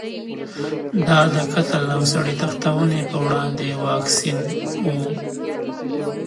دا د قتل او سړي تښتونې په وړاندې واکسین و.